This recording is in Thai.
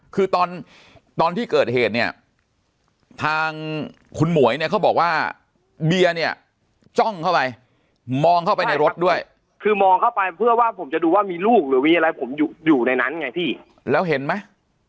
คือตอนตอนที่เกิดเหตุเนี่ยทางคุณหมวยเนี่ยเขาบอกว่าเบียร์เนี่ยจ้องเข้าไปมองเข้าไปในรถด้วยคือมองเข้าไปเพื่อว่าผมจะดูว่ามีลูกหรือมีอะไรผมอยู่ในนั้นไงพี่แล้วเห็นไหม